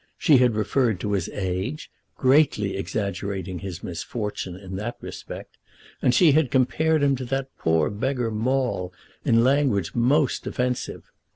She had referred to his age, greatly exaggerating his misfortune in that respect; and she had compared him to that poor beggar Maule in language most offensive.